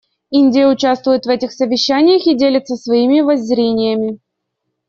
Индия участвует в этих совещаниях и делится своими воззрениями.